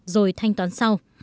rồi thanh toán sau